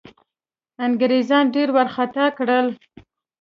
انګرېزان ډېر وارخطا کړل.